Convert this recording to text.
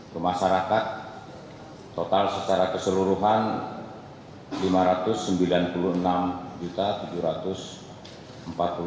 sementara itu total kerugian yang dialami warga akibat penyeragan bapolsek ciracas